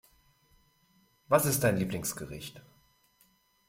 Was ist dein Lieblingsgericht?